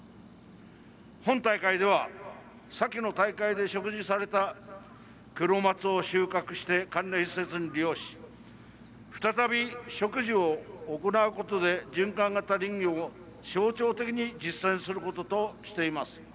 本大会では先の大会で植樹されたクロマツを収穫して関連施設に利用し再び植樹を行うことで循環型林業を象徴的に実践することとしています。